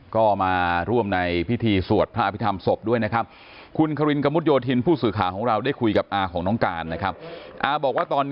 ก็มาร่วมในพิธีสวดพระอภิษฐรรมศพด้วยนะครับ